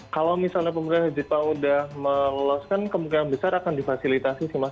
kalau misalnya pemerintah jepang sudah meloloskan kemungkinan besar akan difasilitasi sih mas